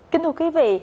kính thưa quý vị